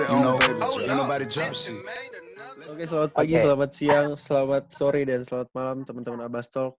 oke selamat pagi selamat siang selamat sore dan selamat malam teman teman abastol